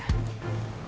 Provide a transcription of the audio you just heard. aku gak tau tante